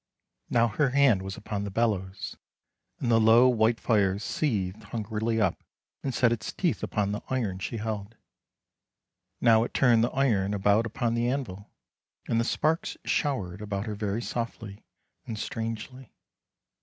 Now her hand was upon the bellows, and the low, white fire seethed hungrily up, and set its teeth upon the iron she held ; now it turned the iron about upon the anvil, and the sparks showered about her very softly and strangely.